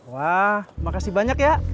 wah makasih banyak ya